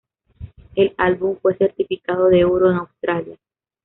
El álbum fue certificado de oro en Australia.